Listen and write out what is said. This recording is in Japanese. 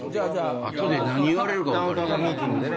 後で何言われるか分からへん。